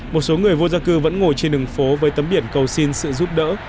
một số người vô gia cư vẫn ngồi trên đường phố với tấm biển cầu xin sự giúp đỡ